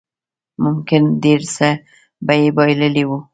ممکن ډېر څه به يې بايللي وو.